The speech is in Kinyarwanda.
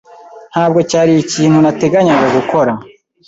Ntabwo cyari ikintu nateganyaga gukora